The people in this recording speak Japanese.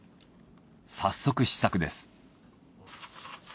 早速試作です。